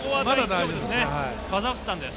カザフスタンです。